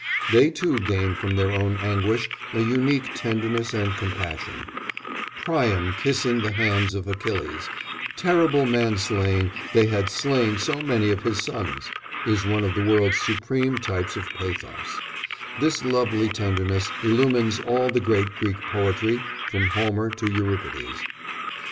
They too gain from their own anguish a unique tenderness and compassion; Priam kissing the hands of Achilles, "terrible man slaying that had slain so many of his sons," is one of the world's supreme types of pathos; this lovely tenderness illumines all the great Greek poetry from Homer to Euripides.